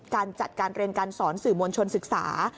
การจัดการเรียนการสอนสื่อมวลชนศึกษา